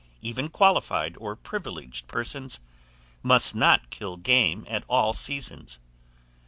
Even qualified or privileged persons must not kill game at all seasons.